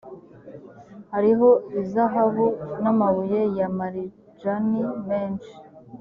hariho izahabu n amabuye ya marijani menshi